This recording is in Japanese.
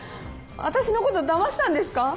私のことだましたんですか？